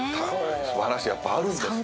素晴らしいやっぱあるんですね。